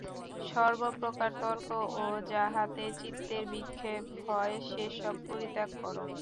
সর্বপ্রকার তর্ক ও যাহাতে চিত্তের বিক্ষেপ হয়, সে-সব পরিত্যাগ কর।